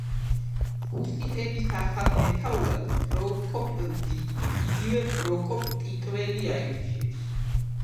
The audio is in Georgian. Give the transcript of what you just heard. ჰუსიტების ახალ მეთაურად პროკოპ დიდი, იგივე პროკოპ ტიტველი აირჩიეს.